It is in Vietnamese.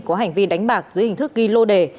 có hành vi đánh bạc dưới hình thức ghi lô đề